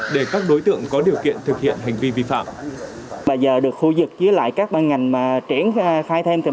để các đối tượng có điều kiện thực hiện hành vi vi phạm